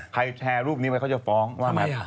ใครแชร์รูปนี้ไว้เขาจะฟ้องว่า